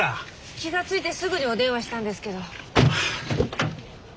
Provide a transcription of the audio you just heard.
気が付いてすぐにお電話したんですけど。